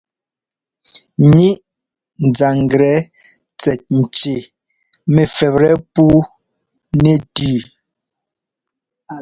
Ŋíʼ nzanglɛ tsɛt nci mɛ fɛptɛ puu nɛ tʉ́.